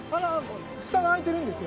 下が開いてるんですよ。